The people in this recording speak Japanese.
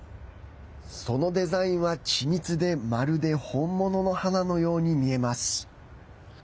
そのデザインは緻密でまるで本物の花のように見えます。